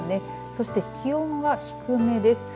そして気温が低めです。